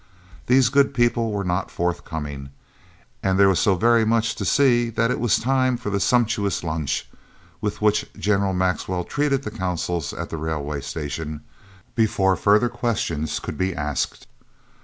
These good people were not forthcoming, and there was so very much to see that it was time for the sumptuous lunch, with which General Maxwell treated the Consuls at the Railway Station, before further questions could be asked.